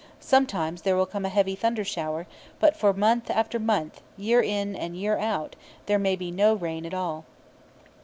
Sometimes there will come a heavy thunder shower; but for month after month, year in and year out, there may be no rain at all.